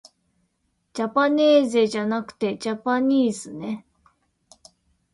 じゃぱねーぜじゃなくてじゃぱにーずね